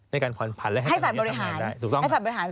ในการผ่อนผันให้ฝันบริหาร